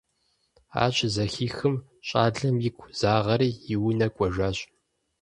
Ар щызэхихым, щӏалэм игу загъэри, и унэ кӀуэжащ.